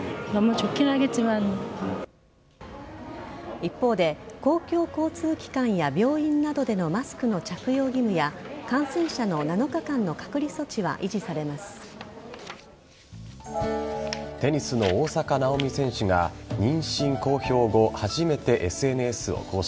一方で公共交通機関や病院などでのマスクの着用義務や感染者の７日間の隔離措置はテニスの大坂なおみ選手が妊娠公表後初めてＳＮＳを更新。